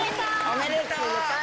おめでとう。